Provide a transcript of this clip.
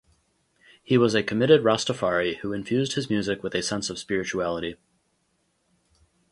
He was a committed Rastafari who infused his music with a sense of spirituality.